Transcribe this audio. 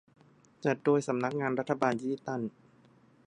จัดโดยสำนักงานรัฐบาลดิจิทัล